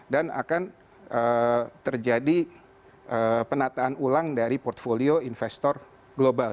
dan akan terjadi penataan ulang dari portfolio investor global